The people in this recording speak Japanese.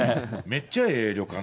めっちゃええ